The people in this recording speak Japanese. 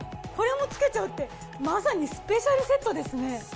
これも付けちゃうってまさにスペシャルセットですね。